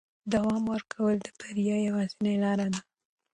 دوام ورکول د بریا یوازینۍ لاره ده.